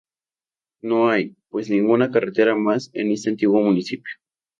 No hay, pues, ninguna carretera más, en este antiguo municipio.